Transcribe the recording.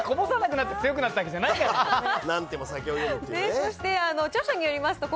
別にこぼさなくなって強くなったわけじゃないから。